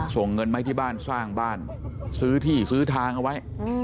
ส่งเงินมาที่บ้านสร้างบ้านซื้อที่ซื้อทางเอาไว้